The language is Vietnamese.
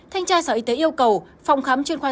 thanh tra sở y tế yêu cầu phòng khám chuyên khoa